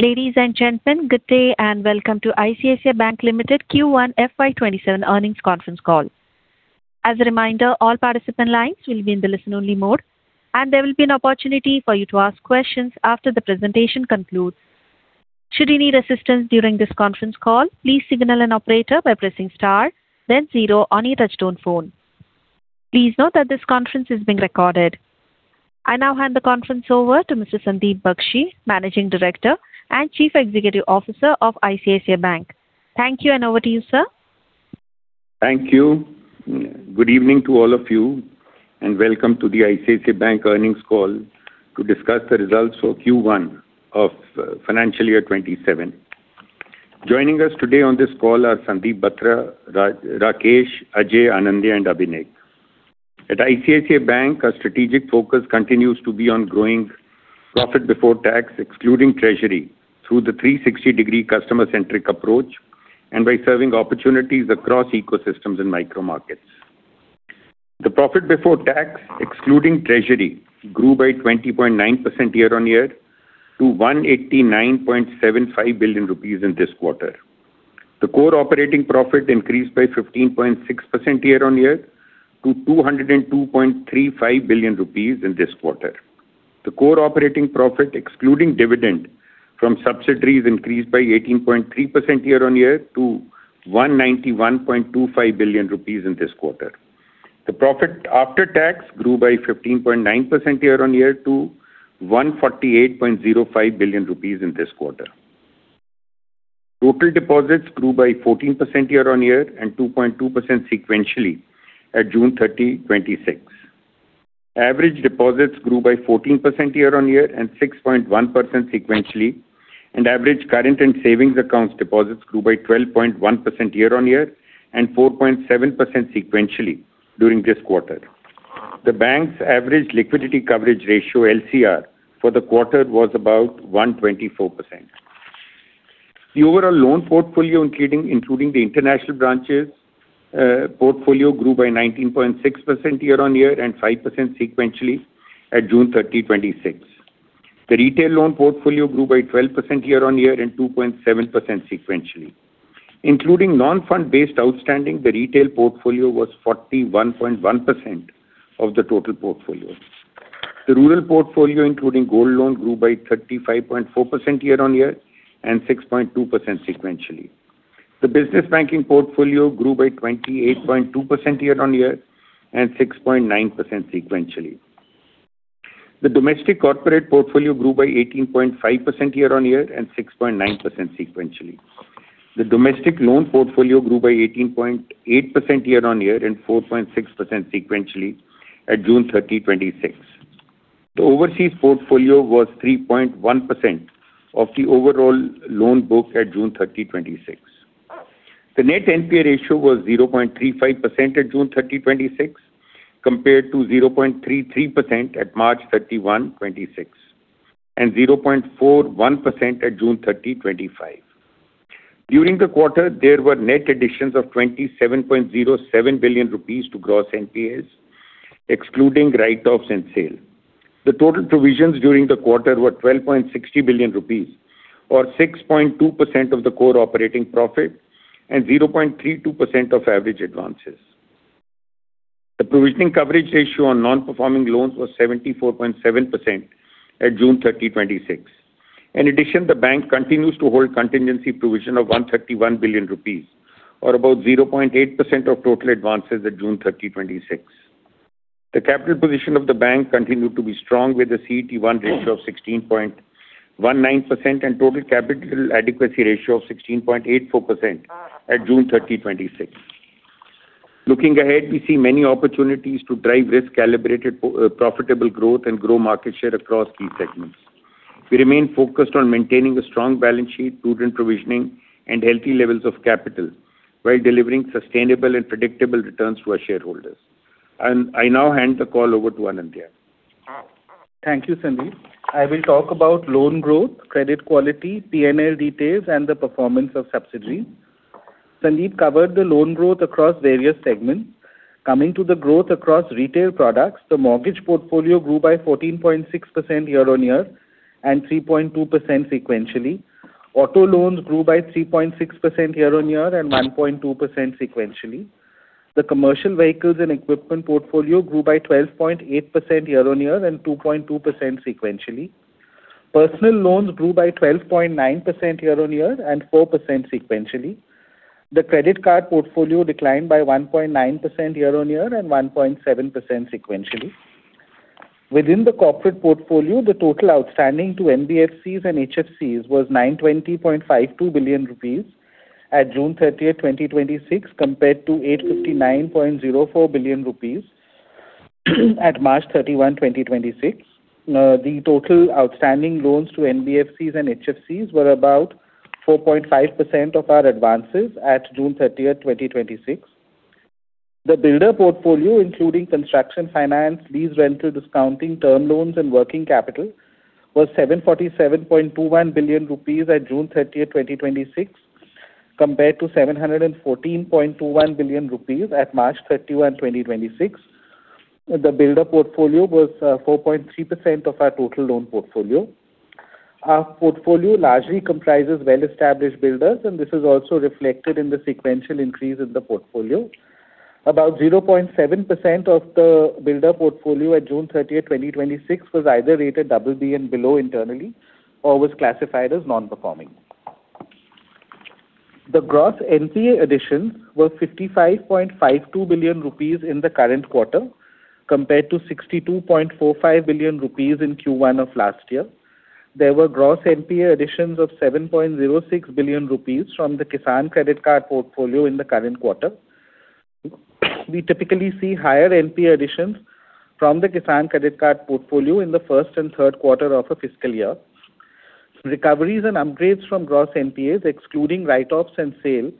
Ladies and gentlemen, good day and welcome to ICICI Bank Limited Q1 FY 2027 earnings conference call. As a reminder, all participant lines will be in the listen-only mode, and there will be an opportunity for you to ask questions after the presentation concludes. Should you need assistance during this conference call, please signal an operator by pressing star then zero on your touch-tone phone. Please note that this conference is being recorded. I now hand the conference over to Mr. Sandeep Bakhshi, Managing Director and Chief Executive Officer of ICICI Bank. Thank you. Over to you, sir. Thank you. Good evening to all of you, and welcome to the ICICI Bank earnings call to discuss the results for Q1 of financial year 2027. Joining us today on this call are Sandeep Batra, Rakesh, Ajay, Anindya and Abhinay. At ICICI Bank, our strategic focus continues to be on growing profit before tax, excluding treasury, through the 360-degree customer-centric approach and by serving opportunities across ecosystems and micro markets. The profit before tax, excluding treasury, grew by 20.9% year-on-year to 189.75 billion rupees in this quarter. The core operating profit increased by 15.6% year-on-year to 202.35 billion rupees in this quarter. The core operating profit, excluding dividend from subsidiaries, increased by 18.3% year-on-year to 191.25 billion rupees in this quarter. The profit after tax grew by 15.9% year-on-year to 148.05 billion rupees in this quarter. Total deposits grew by 14% year-on-year and 2.2% sequentially at June 30, 2026. Average deposits grew by 14% year-on-year and 6.1% sequentially, and average current and savings accounts deposits grew by 12.1% year-on-year and 4.7% sequentially during this quarter. The bank's average liquidity coverage ratio, LCR, for the quarter was about 124%. The overall loan portfolio, including the international branches portfolio, grew by 19.6% year-on-year and 5% sequentially at June 30, 2026. The retail loan portfolio grew by 12% year-on-year and 2.7% sequentially. Including non-fund-based outstanding, the retail portfolio was 41.1% of the total portfolio. The rural portfolio, including gold loan, grew by 35.4% year-on-year and 6.2% sequentially. The business banking portfolio grew by 28.2% year-on-year and 6.9% sequentially. The domestic corporate portfolio grew by 18.5% year-on-year and 6.9% sequentially. The domestic loan portfolio grew by 18.8% year-on-year and 4.6% sequentially at June 30, 2026. The overseas portfolio was 3.1% of the overall loan book at June 30, 2026. The net NPA ratio was 0.35% at June 30, 2026, compared to 0.33% at March 31, 2026, and 0.41% at June 30, 2025. During the quarter, there were net additions of 27.07 billion rupees to gross NPAs, excluding write-offs and sale. The total provisions during the quarter were 12.60 billion rupees, or 6.2% of the core operating profit and 0.32% of average advances. The provisioning coverage ratio on non-performing loans was 74.7% at June 30, 2026. In addition, the bank continues to hold contingency provision of 131 billion rupees or about 0.8% of total advances at June 30, 2026. The capital position of the bank continued to be strong with a CET1 ratio of 16.19% and total capital adequacy ratio of 16.84% at June 30, 2026. Looking ahead, we see many opportunities to drive risk-calibrated profitable growth and grow market share across key segments. We remain focused on maintaining a strong balance sheet, prudent provisioning, and healthy levels of capital while delivering sustainable and predictable returns to our shareholders. I now hand the call over to Anindya. Thank you, Sandeep. I will talk about loan growth, credit quality, P&L details, and the performance of subsidiaries. Sandeep covered the loan growth across various segments. Coming to the growth across retail products, the mortgage portfolio grew by 14.6% year-on-year and 3.2% sequentially. Auto loans grew by 3.6% year-on-year and 1.2% sequentially. The commercial vehicles and equipment portfolio grew by 12.8% year-on-year and 2.2% sequentially. Personal loans grew by 12.9% year-on-year and 4% sequentially. The credit card portfolio declined by 1.9% year-on-year and 1.7% sequentially. Within the corporate portfolio, the total outstanding to NBFCs and HFCs was 920.52 billion rupees at June 30, 2026, compared to 859.04 billion rupees at March 31, 2026. The total outstanding loans to NBFCs and HFCs were about 4.5% of our advances at June 30, 2026. The builder portfolio, including construction finance, lease rental discounting, term loans, and working capital, was 747.21 billion rupees at June 30, 2026, compared to 714.21 billion rupees at March 31, 2026. The builder portfolio was 4.3% of our total loan portfolio. Our portfolio largely comprises well-established builders, and this is also reflected in the sequential increase in the portfolio. About 0.7% of the builder portfolio at June 30, 2026 was either rated BB and below internally or was classified as non-performing. The gross NPA additions were 55.52 billion rupees in the current quarter, compared to 62.45 billion rupees in Q1 of last year. There were gross NPA additions of 7.06 billion rupees from the Kisan Credit Card portfolio in the current quarter. We typically see higher NPA additions from the Kisan Credit Card portfolio in the first and third quarter of a fiscal year. Recoveries and upgrades from gross NPAs, excluding write-offs and sale,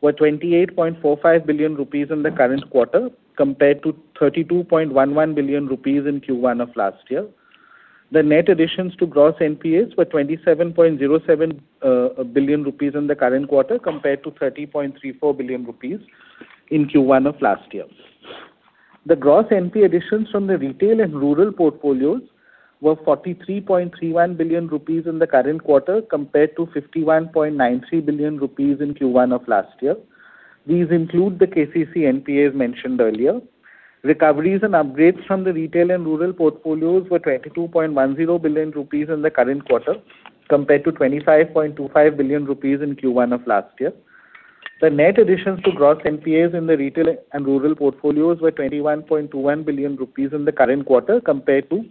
were 28.45 billion rupees in the current quarter compared to 32.11 billion rupees in Q1 of last year. The net additions to gross NPAs were 27.07 billion rupees in the current quarter compared to 30.34 billion rupees in Q1 of last year. The gross NPA additions from the retail and rural portfolios were 43.31 billion rupees in the current quarter compared to 51.93 billion rupees in Q1 of last year. These include the KCC NPAs mentioned earlier. Recoveries and upgrades from the retail and rural portfolios were 22.10 billion rupees in the current quarter compared to 25.25 billion rupees in Q1 of last year. The net additions to gross NPAs in the retail and rural portfolios were 21.21 billion rupees in the current quarter compared to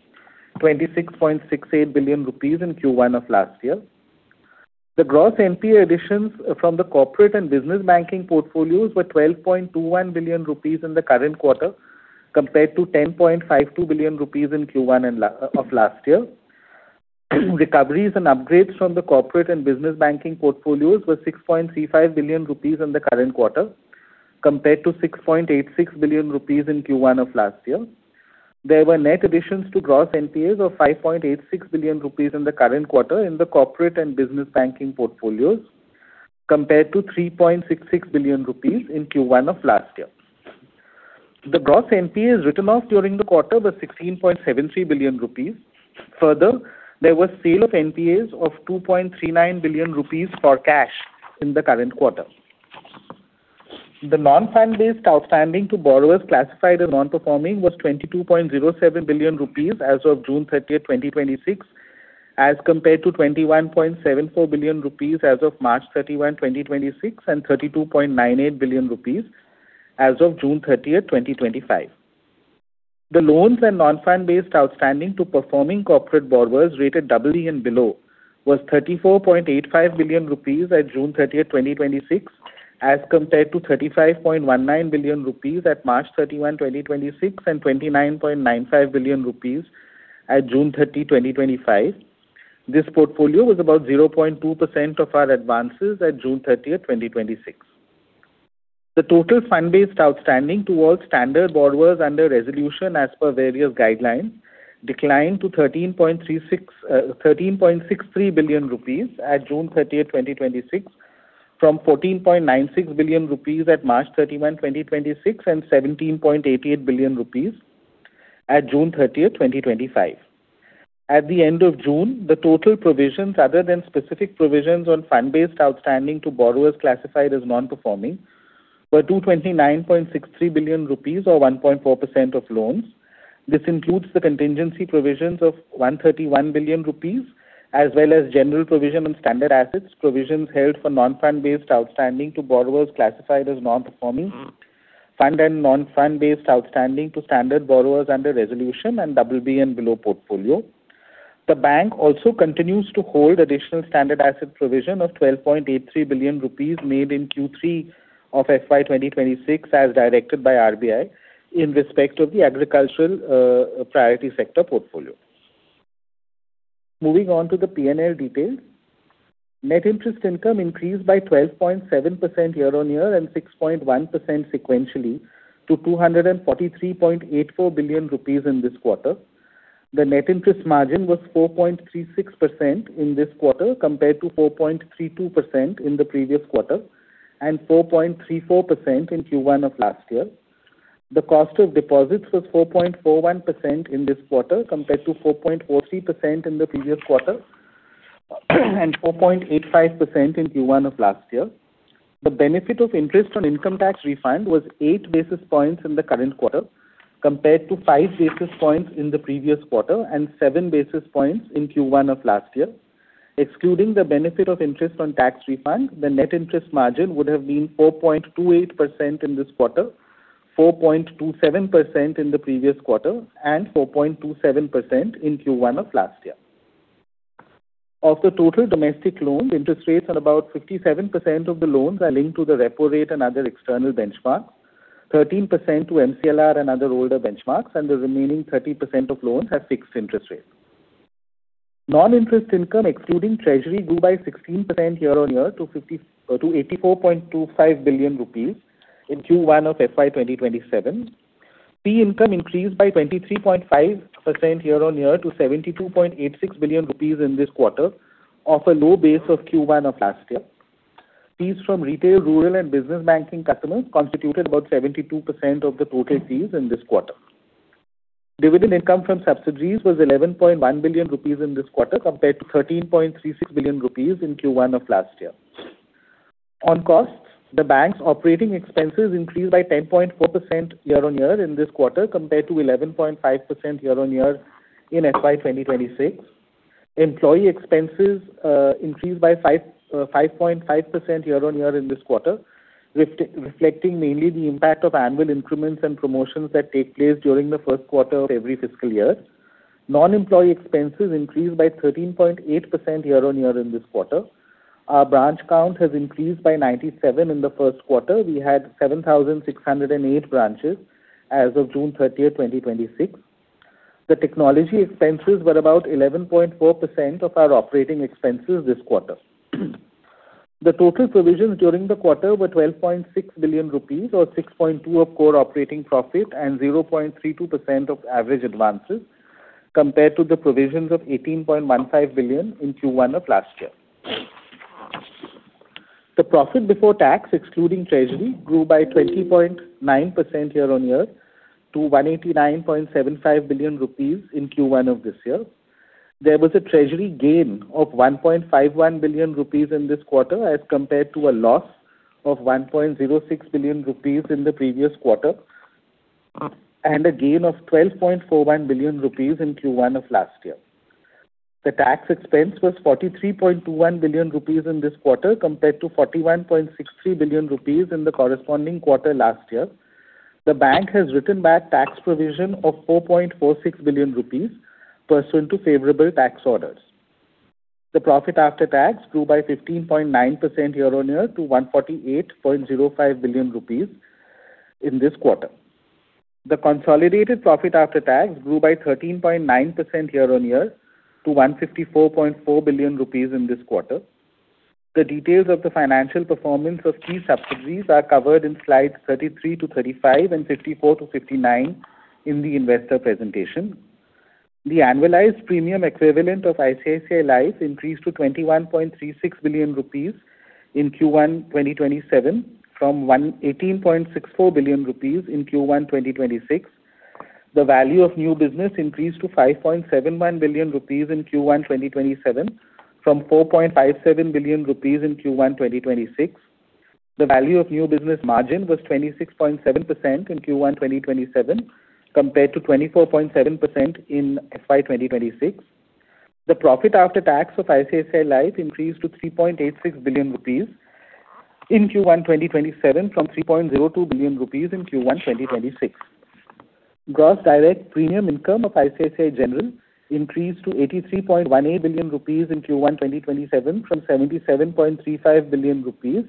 26.68 billion rupees in Q1 of last year. The gross NPA additions from the corporate and business banking portfolios were 12.21 billion rupees in the current quarter compared to 10.52 billion rupees in Q1 of last year. Recoveries and upgrades from the corporate and business banking portfolios were 6.35 billion rupees in the current quarter compared to 6.86 billion rupees in Q1 of last year. There were net additions to gross NPAs of 5.86 billion rupees in the current quarter in the corporate and business banking portfolios compared toINR3.66 billion in Q1 of last year. The gross NPAs written off during the quarter were 16.73 billion rupees. Further, there was sale of NPAs of 2.39 billion rupees for cash in the current quarter. The non-fund-based outstanding to borrowers classified as non-performing was 22.07 billion rupees as of June 30th, 2026, as compared to 21.74 billion rupees as of March 31st, 2026 and 32.98 billion rupees as of June 30th, 2025. The loans and non-fund-based outstanding to performing corporate borrowers rated BB and below was 34.85 billion rupees at June 30th, 2026 as compared to 35.19 billion rupees at March 31st, 2026 and 29.95 billion rupees at June 30th, 2025. This portfolio was about 0.2% of our advances at June 30th, 2026. The total fund-based outstanding towards standard borrowers under resolution as per various guidelines declined to 13.63 billion rupees at June 30th, 2026 from 14.96 billion rupees at March 31st, 2026 and 17.88 billion rupees at June 30th, 2025. At the end of June, the total provisions, other than specific provisions on fund-based outstanding to borrowers classified as non-performing, were 229.63 billion rupees or 1.4% of loans. This includes the contingency provisions of 131 billion rupees, as well as general provision on standard assets, provisions held for non-fund-based outstanding to borrowers classified as non-performing, fund and non-fund-based outstanding to standard borrowers under resolution and BB and below portfolio. The bank also continues to hold additional standard asset provision of 12.83 billion rupees made in Q3 of FY 2026 as directed by RBI in respect of the agricultural priority sector portfolio. Moving on to the P&L details. Net interest income increased by 12.7% year-on-year and 6.1% sequentially to 243.84 billion rupees in this quarter. The net interest margin was 4.36% in this quarter, compared to 4.32% in the previous quarter and 4.34% in Q1 of last year. The cost of deposits was 4.41% in this quarter compared to 4.43% in the previous quarter and 4.85% in Q1 of last year. The benefit of interest on income tax refund was eight basis points in the current quarter compared to five basis points in the previous quarter and seven basis points in Q1 of last year. Excluding the benefit of interest on tax refund, the net interest margin would have been 4.28% in this quarter, 4.27% in the previous quarter, and 4.27% in Q1 of last year. Of the total domestic loans, interest rates on about 57% of the loans are linked to the repo rate and other external benchmarks, 13% to MCLR and other older benchmarks, and the remaining 30% of loans have fixed interest rates. Non-interest income, excluding treasury, grew by 16% year-on-year to 84.25 billion rupees in Q1 of FY 2027. Fee income increased by 23.5% year-on-year to 72.86 billion rupees in this quarter off a low base of Q1 of last year. Fees from retail, rural, and business banking customers constituted about 72% of the total fees in this quarter. Dividend income from subsidiaries was 11.1 billion rupees in this quarter, compared to 13.36 billion rupees in Q1 of last year. On costs, the bank's operating expenses increased by 10.4% year-on-year in this quarter, compared to 11.5% year-on-year in FY 2026. Employee expenses increased by 5.5% year-on-year in this quarter, reflecting mainly the impact of annual increments and promotions that take place during the first quarter of every fiscal year. Non-employee expenses increased by 13.8% year-on-year in this quarter. Our branch count has increased by 97 in the first quarter. We had 7,608 branches as of June 30th, 2026. The technology expenses were about 11.4% of our operating expenses this quarter. The total provisions during the quarter were 12.6 billion rupees, or 6.2% of core operating profit and 0.32% of average advances, compared to the provisions of 18.15 billion in Q1 of last year. The profit before tax, excluding treasury, grew by 20.9% year-on-year to 189.75 billion rupees in Q1 of this year. There was a treasury gain of 1.51 billion rupees in this quarter as compared to a loss of 1.06 billion rupees in the previous quarter and a gain of 12.41 billion rupees in Q1 of last year. The tax expense was 43.21 billion rupees in this quarter, compared to 41.63 billion rupees in the corresponding quarter last year. The bank has written back tax provision of 4.46 billion rupees pursuant to favorable tax orders. The profit after tax grew by 15.9% year-on-year to 148.05 billion rupees in this quarter. The consolidated profit after tax grew by 13.9% year-on-year to 154.4 billion rupees in this quarter. The details of the financial performance of key subsidiaries are covered in slides 33-35 and 54-59 in the investor presentation. The annualized premium equivalent of ICICI Life increased to 21.36 billion rupees in Q1 2027 from 18.64 billion rupees in Q1 2026. The value of new business increased to 5.71 billion rupees in Q1 2027 from 4.57 billion rupees in Q1 2026. The value of new business margin was 26.7% in Q1 2027 compared to 24.7% in FY 2026. The profit after tax of ICICI Life increased to 3.86 billion rupees in Q1 2027 from 3.02 billion rupees in Q1 2026. Gross direct premium income of ICICI General increased to 83.18 billion rupees in Q1 2027 from 77.35 billion rupees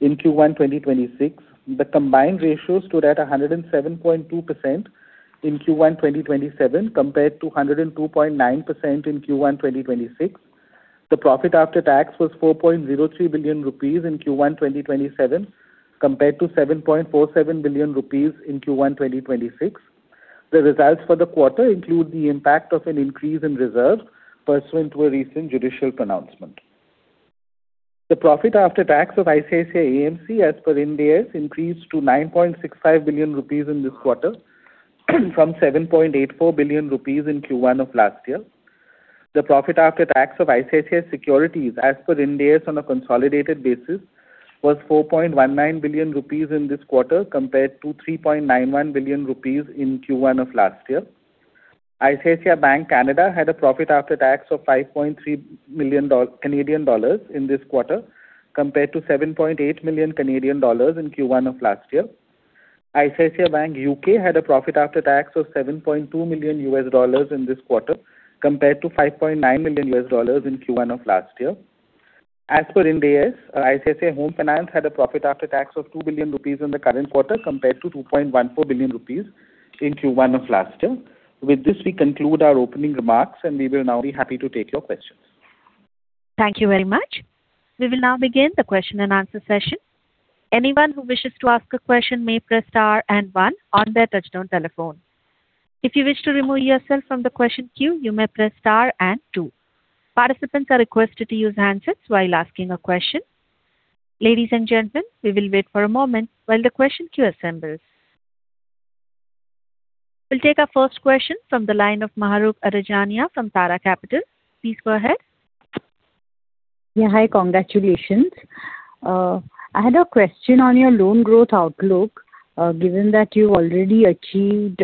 in Q1 2026. The combined ratio stood at 107.2% in Q1 2027 compared to 102.9% in Q1 2026. The profit after tax was 4.03 billion rupees in Q1 2027 compared to 7.47 billion rupees in Q1 2026. The results for the quarter include the impact of an increase in reserves pursuant to a recent judicial pronouncement. The profit after tax of ICICI AMC, as per Ind AS, increased to 9.65 billion rupees in this quarter from 7.84 billion rupees in Q1 of last year. The profit after tax of ICICI Securities, as per Ind AS on a consolidated basis, was 4.19 billion rupees in this quarter compared to 3.91 billion rupees in Q1 of last year. ICICI Bank Canada had a profit after tax of 5.3 million dollars in this quarter compared to 7.8 million Canadian dollars in Q1 of last year. ICICI Bank UK had a profit after tax of $7.2 million in this quarter compared to $5.9 million in Q1 of last year. As per Ind AS, ICICI Home Finance had a profit after tax of 2 billion rupees in the current quarter compared to 2.14 billion rupees in Q1 of last year. With this, we conclude our opening remarks, and we will now be happy to take your questions. Thank you very much. We will now begin the question and answer session. Anyone who wishes to ask a question may press star and one on their touchtone telephone. If you wish to remove yourself from the question queue, you may press star and two. Participants are requested to use handsets while asking a question. Ladies and gentlemen, we will wait for a moment while the question queue assembles. We will take our first question from the line of Mahrukh Adajania from Tara Capital. Please go ahead. Yeah. Hi. Congratulations. I had a question on your loan growth outlook. Given that you already achieved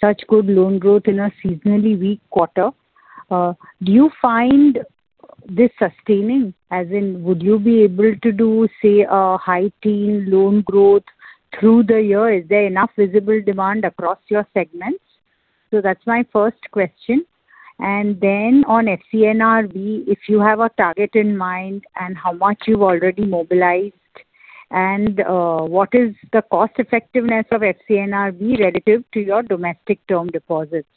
such good loan growth in a seasonally weak quarter, do you find this sustaining? As in, would you be able to do, say, a high teen loan growth through the year? Is there enough visible demand across your segments? That's my first question. Then on FCNR, if you have a target in mind and how much you have already mobilized and what is the cost effectiveness of FCNR relative to your domestic term deposits.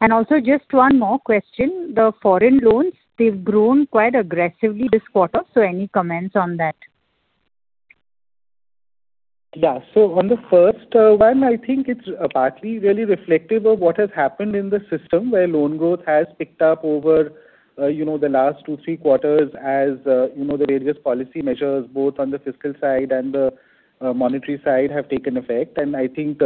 Also just one more question. The foreign loans, they have grown quite aggressively this quarter. Any comments on that? Yeah. On the first one, I think it is partly really reflective of what has happened in the system where loan growth has picked up over the last two, three quarters as the various policy measures both on the fiscal side and the monetary side have taken effect. I think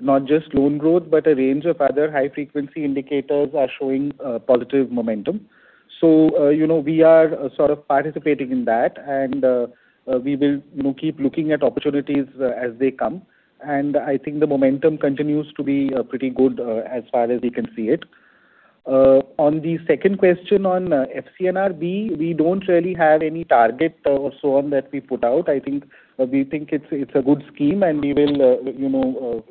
not just loan growth, but a range of other high-frequency indicators are showing positive momentum. We are sort of participating in that, and we will keep looking at opportunities as they come. I think the momentum continues to be pretty good as far as we can see it. On the second question on FCNR, we do not really have any target or so on that we put out. We think it is a good scheme, and we will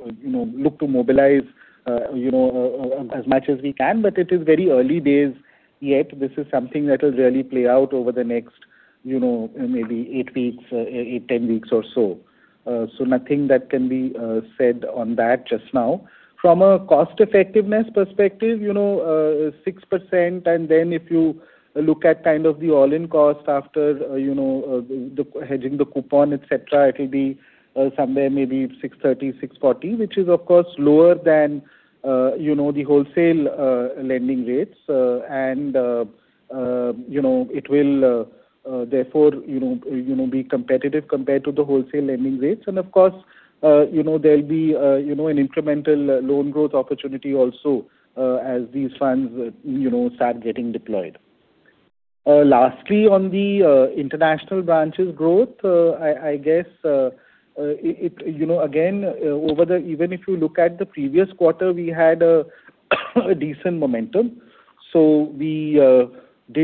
look to mobilize as much as we can. It is very early days yet. This is something that will really play out over the next maybe eight to 10 weeks or so. Nothing that can be said on that just now. From a cost-effectiveness perspective, 6%, and then if you look at kind of the all-in cost after hedging the coupon, et cetera, it will be somewhere maybe 630, 640, which is of course lower than the wholesale lending rates. It will therefore be competitive compared to the wholesale lending rates. Of course, there'll be an incremental loan growth opportunity also as these funds start getting deployed. Lastly, on the international branches growth, I guess, again, even if you look at the previous quarter, we had a decent momentum. We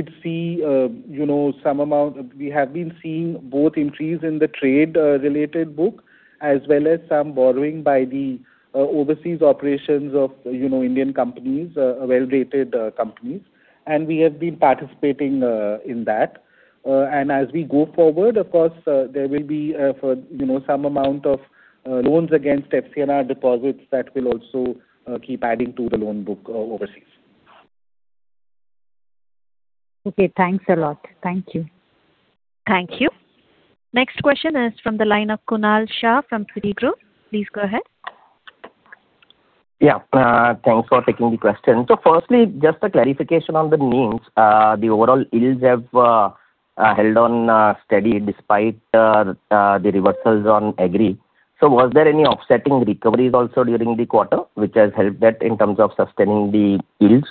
have been seeing both increase in the trade-related book as well as some borrowing by the overseas operations of Indian companies, well-rated companies, and we have been participating in that. As we go forward, of course, there will be some amount of loans against FCNR deposits that will also keep adding to the loan book overseas. Okay, thanks a lot. Thank you. Thank you. Next question is from the line of Kunal Shah from Citigroup. Please go ahead. Yeah. Thanks for taking the question. Firstly, just a clarification on the NIMs. The overall yields have held on steady despite the reversals on Agri. Was there any offsetting recoveries also during the quarter, which has helped that in terms of sustaining the yields?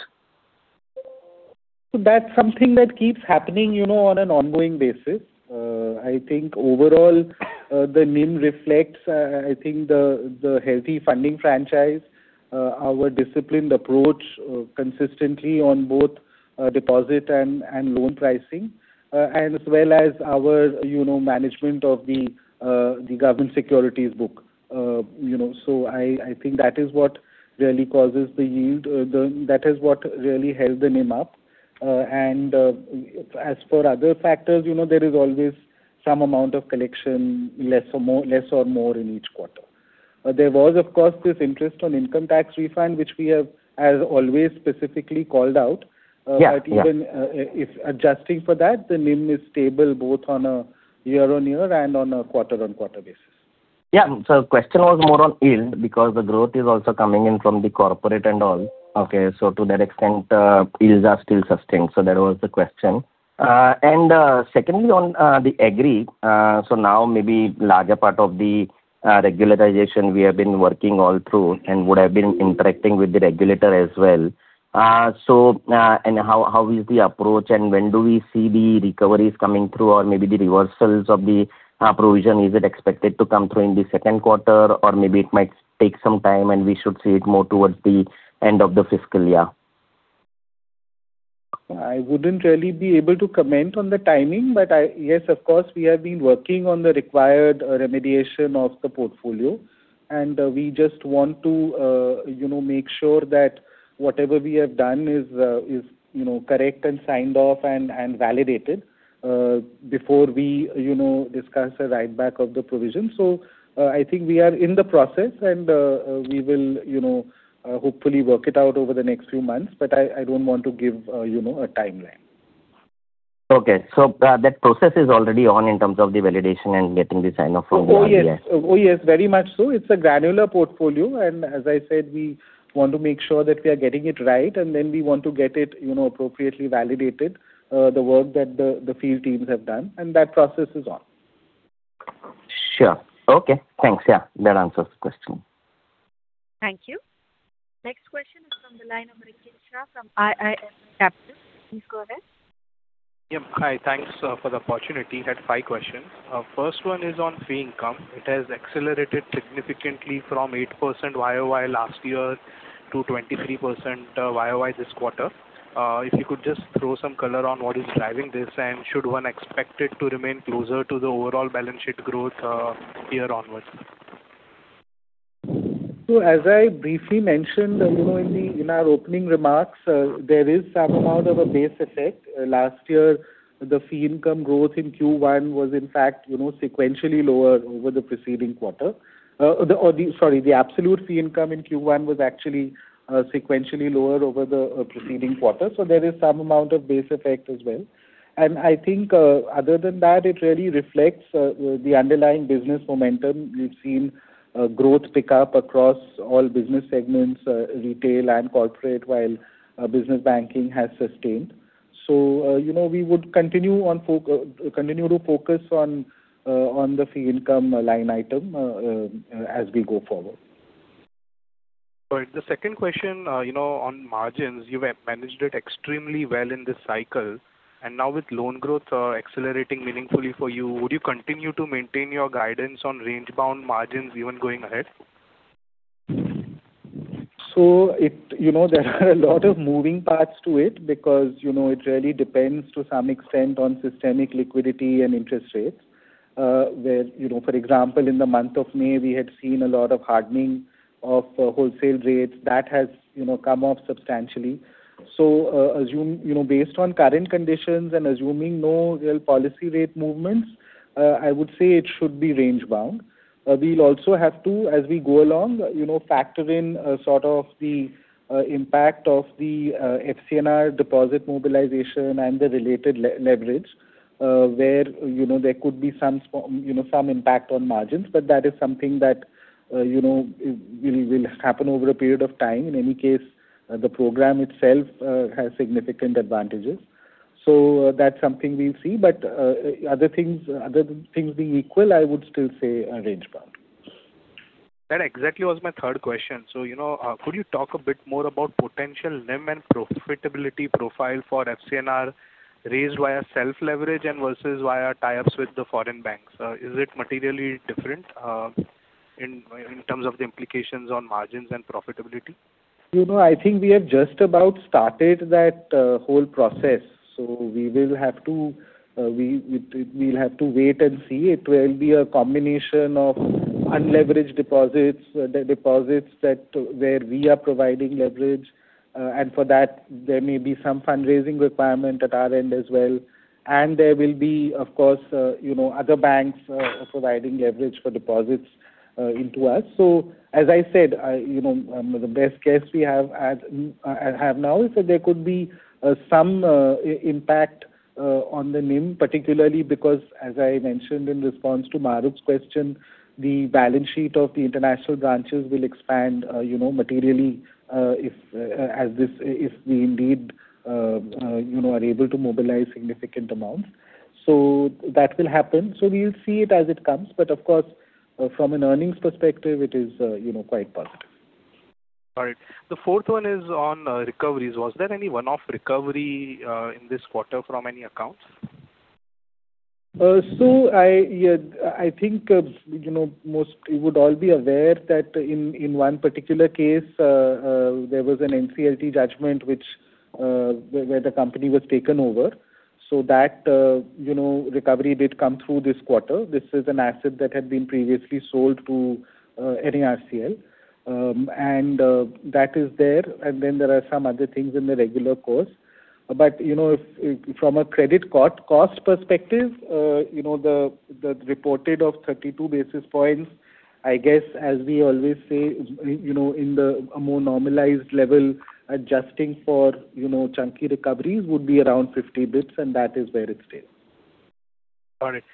That's something that keeps happening on an ongoing basis. Overall the NIM reflects the healthy funding franchise, our disciplined approach consistently on both deposit and loan pricing, and as well as our management of the government securities book. I think that is what really held the NIM up. As for other factors, there is always some amount of collection, less or more in each quarter. There was, of course, this interest on income tax refund, which we have as always specifically called out. Yeah. Even if adjusting for that, the NIM is stable both on a year-on-year and on a quarter-on-quarter basis. Yeah. The question was more on yield because the growth is also coming in from the corporate and all. Okay. To that extent, yields are still sustained. That was the question. Secondly on the Agri, now maybe larger part of the regularization we have been working all through and would have been interacting with the regulator as well. How is the approach and when do we see the recoveries coming through or maybe the reversals of the provision? Is it expected to come through in the second quarter, or maybe it might take some time, and we should see it more towards the end of the fiscal year? I wouldn't really be able to comment on the timing, but yes, of course, we have been working on the required remediation of the portfolio, and we just want to make sure that whatever we have done is correct and signed off and validated before we discuss a writeback of the provision. I think we are in the process, and we will hopefully work it out over the next few months. I don't want to give a timeline. Okay. That process is already on in terms of the validation and getting the sign-off from all the- Oh, yes. Very much so. It's a granular portfolio, and as I said, we want to make sure that we are getting it right, and then we want to get it appropriately validated, the work that the field teams have done, and that process is on. Sure. Okay, thanks. Yeah, that answers the question. Thank you. Next question is from the line of Rikin Shah from IIFL Capital. Please go ahead. Yeah. Hi, thanks for the opportunity. I had five questions. First one is on fee income. It has accelerated significantly from 8% YoY last year to 23% YoY this quarter. If you could just throw some color on what is driving this, and should one expect it to remain closer to the overall balance sheet growth year onwards? As I briefly mentioned in our opening remarks, there is some amount of a base effect. Last year, the fee income growth in Q1 was in fact sequentially lower over the preceding quarter. Sorry, the absolute fee income in Q1 was actually sequentially lower over the preceding quarter. There is some amount of base effect as well. I think other than that, it really reflects the underlying business momentum. We've seen growth pick up across all business segments, retail and corporate, while business banking has sustained. We would continue to focus on the fee income line item as we go forward. Right. The second question on margins. You've managed it extremely well in this cycle, now with loan growth accelerating meaningfully for you, would you continue to maintain your guidance on range-bound margins even going ahead? There are a lot of moving parts to it because it really depends to some extent on systemic liquidity and interest rates. Where, for example, in the month of May, we had seen a lot of hardening of wholesale rates that has come off substantially. Based on current conditions and assuming no real policy rate movements, I would say it should be range bound. We'll also have to, as we go along, factor in sort of the impact of the FCNR deposit mobilization and the related leverage, where there could be some impact on margins. That is something that will happen over a period of time. In any case, the program itself has significant advantages. That's something we'll see. Other things being equal, I would still say range bound. That exactly was my third question. Could you talk a bit more about potential NIM and profitability profile for FCNR raised via self-leverage and versus via tie-ups with the foreign banks? Is it materially different in terms of the implications on margins and profitability? I think we have just about started that whole process. We will have to wait and see. It will be a combination of unleveraged deposits, the deposits where we are providing leverage. For that, there may be some fundraising requirement at our end as well, and there will be, of course, other banks providing leverage for deposits into us. As I said, the best case we have now is that there could be some impact on the NIM, particularly because, as I mentioned in response to Mahrukh's question, the balance sheet of the international branches will expand materially if we indeed are able to mobilize significant amounts. That will happen. We'll see it as it comes. Of course, from an earnings perspective, it is quite positive. All right. The fourth one is on recoveries. Was there any one-off recovery in this quarter from any accounts? I think you would all be aware that in one particular case, there was an NCLT judgment where the company was taken over. That recovery did come through this quarter. This is an asset that had been previously sold to NARCL, and that is there. Then there are some other things in the regular course. From a credit cost perspective, the reported of 32 basis points, I guess as we always say, in the more normalized level, adjusting for chunky recoveries would be around 50 basis points, and that is where it stays. Got it.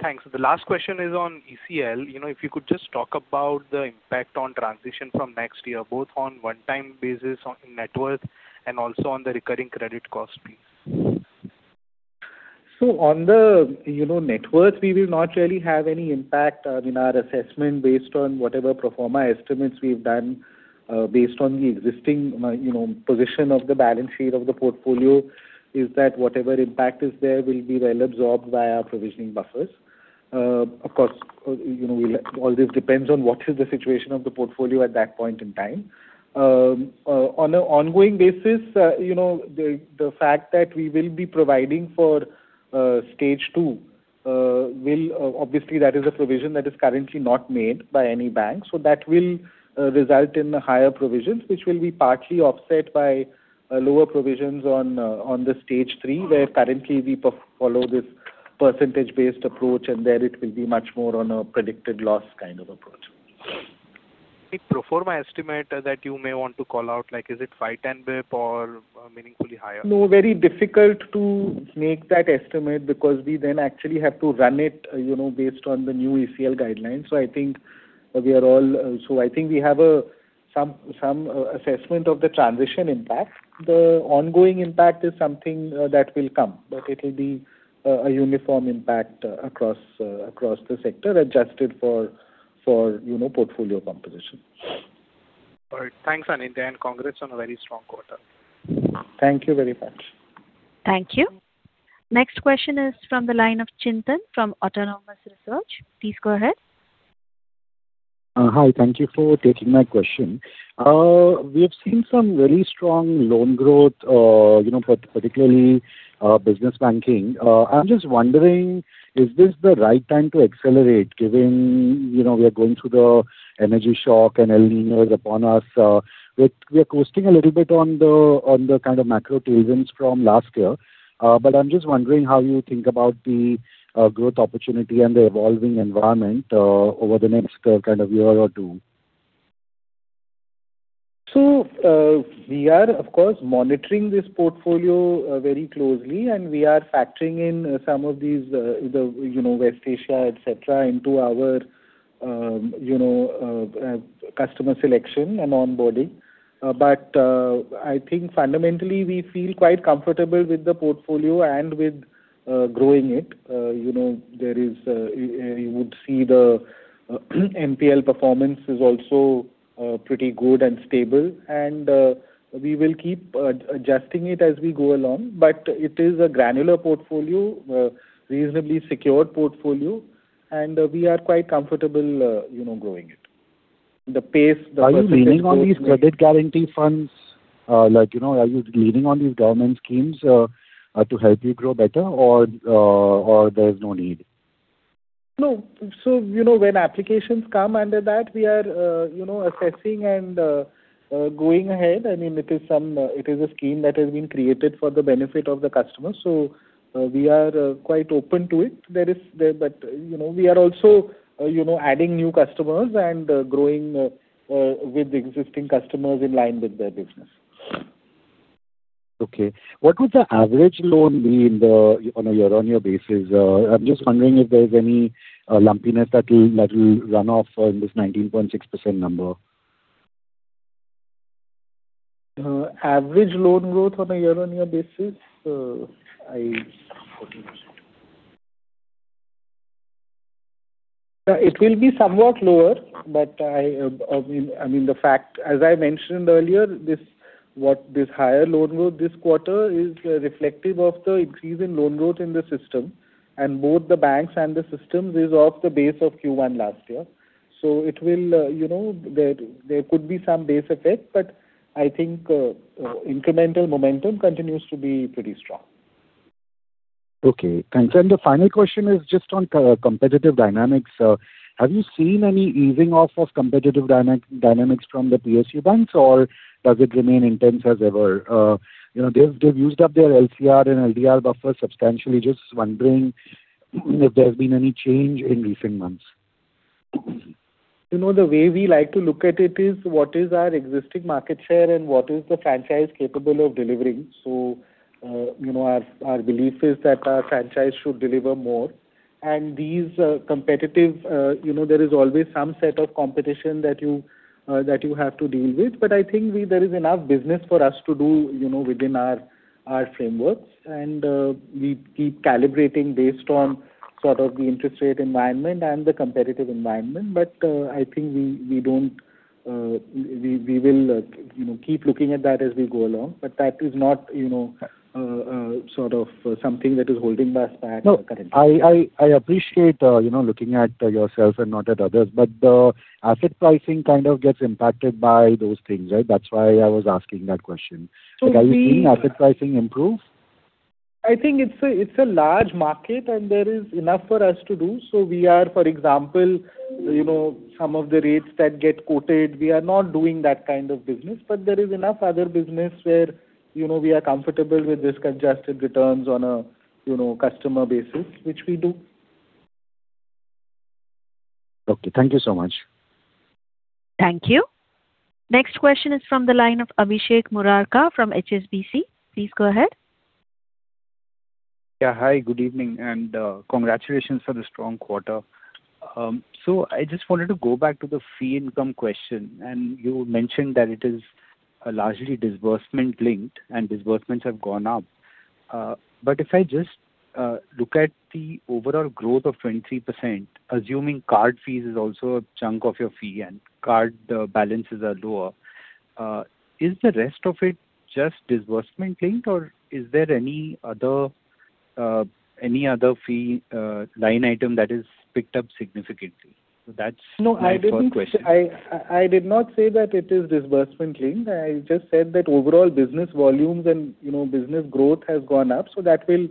Thanks. The last question is on ECL. If you could just talk about the impact on transition from next year, both on one-time basis on net worth and also on the recurring credit cost, please. On the net worth, we will not really have any impact in our assessment based on whatever pro forma estimates we've done based on the existing position of the balance sheet of the portfolio, is that whatever impact is there will be well absorbed by our provisioning buffers. Of course, all this depends on what is the situation of the portfolio at that point in time. On an ongoing basis, the fact that we will be providing for Stage 2, obviously that is a provision that is currently not made by any bank. That will result in higher provisions, which will be partly offset by lower provisions on the Stage 3, where currently we follow this percentage-based approach, there it will be much more on a predicted loss kind of approach. Any pro forma estimate that you may want to call out, like is it 5-10 basis points or meaningfully higher? Very difficult to make that estimate because we then actually have to run it based on the new ECL guidelines. I think we have some assessment of the transition impact. The ongoing impact is something that will come, but it will be a uniform impact across the sector, adjusted for portfolio composition. All right. Thanks, Anindya, and congrats on a very strong quarter. Thank you very much. Thank you. Next question is from the line of Chintan from Autonomous Research. Please go ahead. Hi. Thank you for taking my question. We have seen some very strong loan growth, particularly business banking. I'm just wondering, is this the right time to accelerate, given we are going through the energy shock and El Niño is upon us? We are coasting a little bit on the kind of macro tailwinds from last year. I'm just wondering how you think about the growth opportunity and the evolving environment over the next kind of year or two. We are of course monitoring this portfolio very closely, and we are factoring in some of these, West Asia, et cetera, into our customer selection and onboarding. I think fundamentally, we feel quite comfortable with the portfolio and with growing it. You would see the NPL performance is also pretty good and stable, and we will keep adjusting it as we go along. It is a granular portfolio, reasonably secured portfolio, and we are quite comfortable growing it. Are you leaning on these credit guarantee funds? Are you leaning on these government schemes to help you grow better or there's no need? No. When applications come under that, we are assessing and going ahead. It is a scheme that has been created for the benefit of the customer, we are quite open to it. We are also adding new customers and growing with existing customers in line with their business. Okay. What would the average loan be on a year-on-year basis? I'm just wondering if there's any lumpiness that will run off in this 19.6% number. Average loan growth on a year-on-year basis. 14%. It will be somewhat lower, as I mentioned earlier, this higher loan growth this quarter is reflective of the increase in loan growth in the system, both the banks and the systems is off the base of Q1 last year. There could be some base effect, I think incremental momentum continues to be pretty strong. Okay. The final question is just on competitive dynamics. Have you seen any easing off of competitive dynamics from the PSU banks, or does it remain intense as ever? They've used up their LCR and LDR buffers substantially. Just wondering if there's been any change in recent months. The way we like to look at it is what is our existing market share and what is the franchise capable of delivering. Our belief is that our franchise should deliver more. There is always some set of competition that you have to deal with, but I think there is enough business for us to do within our frameworks, and we keep calibrating based on sort of the interest rate environment and the competitive environment. I think we will keep looking at that as we go along. That is not sort of something that is holding us back currently. No. I appreciate looking at yourself and not at others, but the asset pricing kind of gets impacted by those things, right? That's why I was asking that question. So we- Are you seeing asset pricing improve? I think it's a large market and there is enough for us to do. We are, for example, some of the rates that get quoted, we are not doing that kind of business, but there is enough other business where we are comfortable with risk-adjusted returns on a customer basis, which we do. Okay. Thank you so much. Thank you. Next question is from the line of Abhishek Murarka from HSBC. Please go ahead. Yeah. Hi, good evening, Congratulations for the strong quarter. I just wanted to go back to the fee income question, You mentioned that it is largely disbursement linked and disbursements have gone up. If I just look at the overall growth of 23%, assuming card fees is also a chunk of your fee and card balances are lower, is the rest of it just disbursement linked or is there any other fee line item that is picked up significantly? That's my first question. I did not say that it is disbursement linked. I just said that overall business volumes and business growth has gone up. That will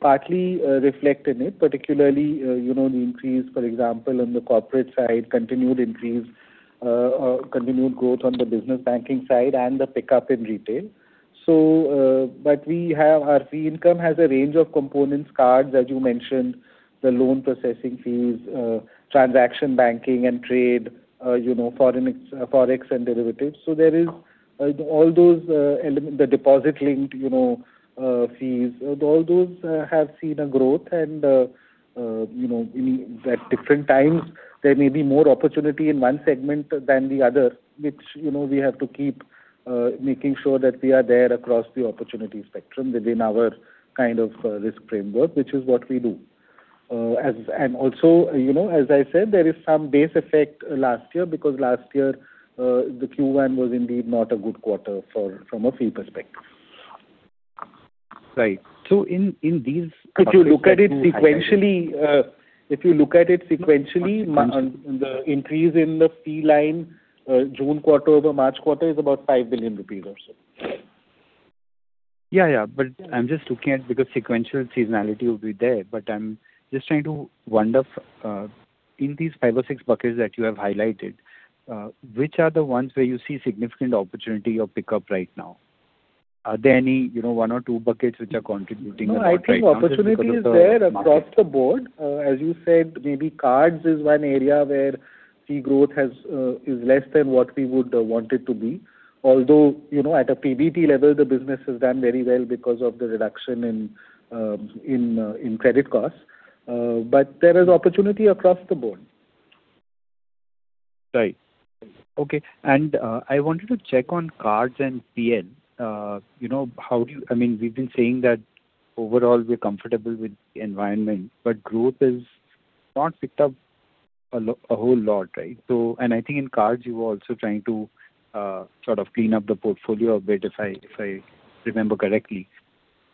partly reflect in it, particularly the increase, for example, on the corporate side, continued growth on the business banking side and the pickup in retail. Our fee income has a range of components, cards, as you mentioned, the loan processing fees, transaction banking and trade, Forex and derivatives. The deposit-linked fees, all those have seen a growth and at different times, there may be more opportunity in one segment than the other, which we have to keep making sure that we are there across the opportunity spectrum within our kind of risk framework, which is what we do. Also, as I said, there is some base effect last year, because last year, the Q1 was indeed not a good quarter from a fee perspective. Right. In these- If you look at it sequentially- Sorry the increase in the fee line June quarter over March quarter is about 5 billion rupees or so. I'm just looking at because sequential seasonality will be there. I'm just trying to wonder, in these five or six buckets that you have highlighted, which are the ones where you see significant opportunity or pickup right now? Are there any one or two buckets which are contributing a lot right now just because of the market? I think opportunity is there across the board. As you said, maybe cards is one area where fee growth is less than what we would want it to be. Although, at a PBT level, the business has done very well because of the reduction in credit costs. There is opportunity across the board. Right. Okay. I wanted to check on cards and PL. We've been saying that overall we're comfortable with the environment, but growth has not picked up a whole lot, right? I think in cards you were also trying to sort of clean up the portfolio a bit if I remember correctly.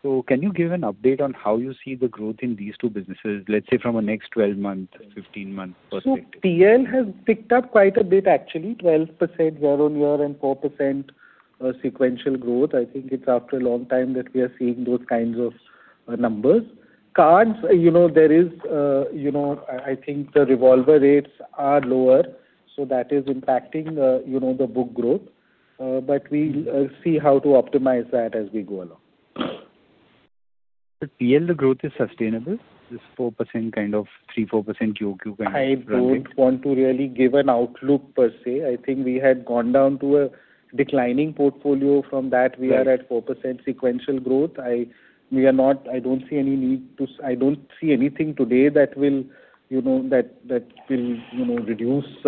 Can you give an update on how you see the growth in these two businesses, let's say from a next 12-month, 15-month perspective? PL has picked up quite a bit, actually, 12% year-on-year and 4% sequential growth. I think it's after a long time that we are seeing those kinds of numbers. Cards, I think the revolver rates are lower, so that is impacting the book growth. We'll see how to optimize that as we go along. PL, the growth is sustainable? This 4%, kind of three, 4% quarter-over-quarter kind of growth. I don't want to really give an outlook per se. I think we had gone down to a declining portfolio. Right We are at 4% sequential growth. I don't see anything today that will reduce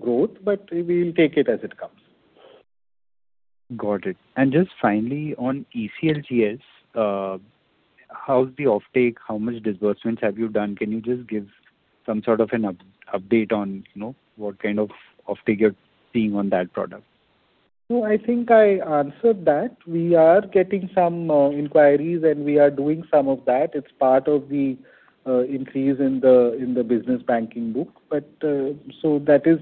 growth, but we'll take it as it comes. Got it. Just finally, on ECLGS, how's the offtake? How much disbursements have you done? Can you just give some sort of an update on what kind of offtake you're seeing on that product? No, I think I answered that. We are getting some inquiries and we are doing some of that. It's part of the increase in the business banking book. That is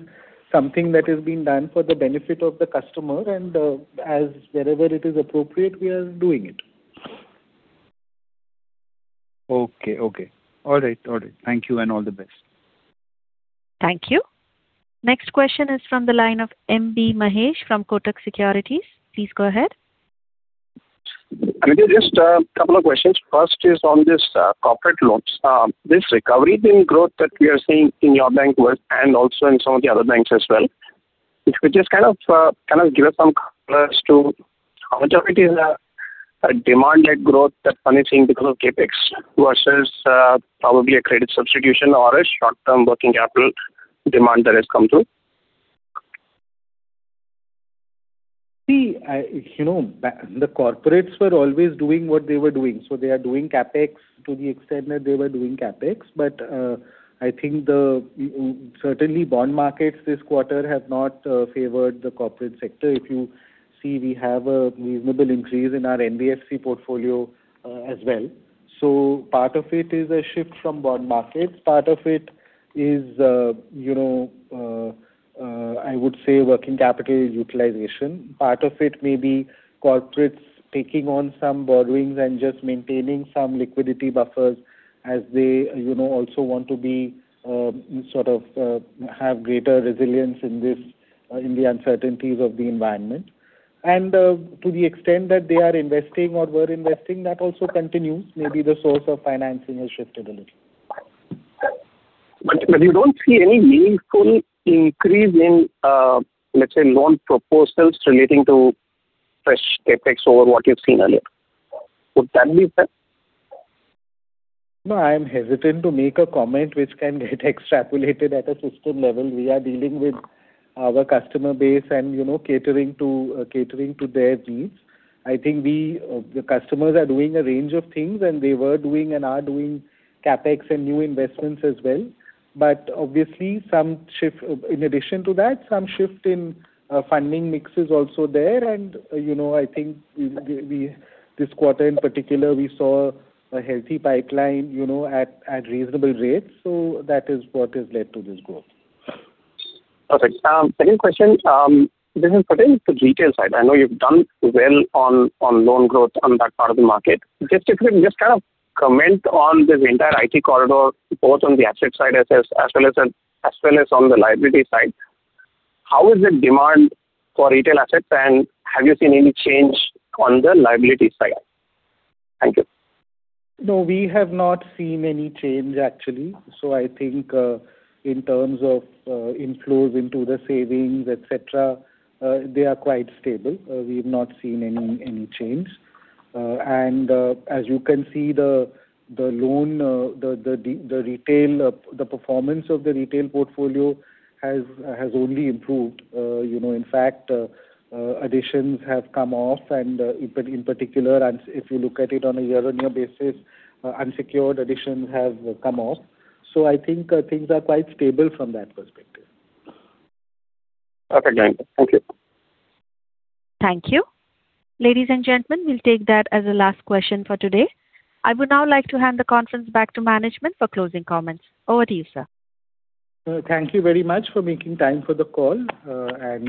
something that is being done for the benefit of the customer and, wherever it is appropriate, we are doing it. Okay. All right. Thank you, and all the best. Thank you. Next question is from the line of M.B. Mahesh from Kotak Securities. Please go ahead. Just a couple of questions. First is on this corporate loans. This recovery in growth that we are seeing in your bank and also in some of the other banks as well. If you could just kind of give us some colors to how much of it is a demanded growth that one is seeing because of CapEx versus probably a credit substitution or a short-term working capital demand that has come through. The corporates were always doing what they were doing. They are doing CapEx to the extent that they were doing CapEx. I think certainly bond markets this quarter have not favored the corporate sector. If you see, we have a reasonable increase in our NBFC portfolio as well. Part of it is a shift from bond markets. Part of it is, I would say working capital utilization. Part of it may be corporates taking on some borrowings and just maintaining some liquidity buffers as they also want to have greater resilience in the uncertainties of the environment. To the extent that they are investing or were investing, that also continues. Maybe the source of financing has shifted a little. You don't see any meaningful increase in, let's say, loan proposals relating to fresh CapEx over what you've seen earlier. Would that be fair? No, I am hesitant to make a comment which can get extrapolated at a system level. We are dealing with our customer base and catering to their needs. I think the customers are doing a range of things, they were doing and are doing CapEx and new investments as well. Obviously, in addition to that, some shift in funding mix is also there. I think this quarter in particular, we saw a healthy pipeline at reasonable rates. That is what has led to this growth. Perfect. Second question. This is pertaining to the retail side. I know you've done well on loan growth on that part of the market. Just if you can just kind of comment on this entire IT corridor, both on the asset side as well as on the liability side. How is the demand for retail assets and have you seen any change on the liability side? Thank you. No, we have not seen any change actually. I think in terms of inflows into the savings, et cetera, they are quite stable. We've not seen any change. As you can see, the performance of the retail portfolio has only improved. In fact, additions have come off and in particular, if you look at it on a year-on-year basis, unsecured additions have come off. I think things are quite stable from that perspective. Okay, thank you. Thank you. Ladies and gentlemen, we'll take that as the last question for today. I would now like to hand the conference back to management for closing comments. Over to you, sir. Thank you very much for making time for the call, and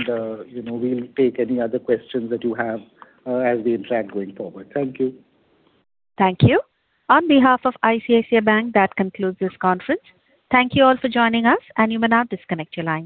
we'll take any other questions that you have as we interact going forward. Thank you. Thank you. On behalf of ICICI Bank, that concludes this conference. Thank you all for joining us. You may now disconnect your lines.